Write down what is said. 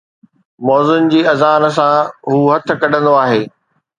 مؤذن جي اذان سان، هو هٿ ڪڍندو آهي